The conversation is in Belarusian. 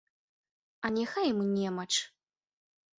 А няхай ім немач!